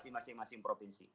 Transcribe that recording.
di masing masing provinsi